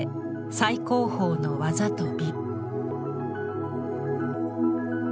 最高峰の技と美。